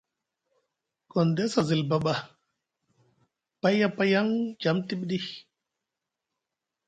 Gondes a zilbiɗi ɓa pay a payaŋ djam tiɓ ɗi ?